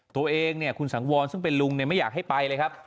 ตัวเองเนี่ยคุณสังวรซึ่งเป็นลุงไม่อยากให้ไปเลยครับ